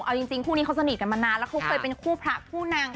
เอาจริงคู่นี้เขาสนิทกันมานานแล้วเขาเคยเป็นคู่พระคู่นาง